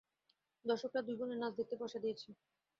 দর্শকরা দুই বোনের নাচ দেখতে পয়সা দিয়েছে।